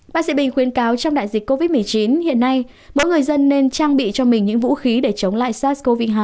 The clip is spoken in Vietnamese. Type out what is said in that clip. bác sĩ bình khuyên cáo trong đại dịch covid một mươi chín hiện nay mỗi người dân nên trang bị cho mình những vũ khí để chống lại sars cov hai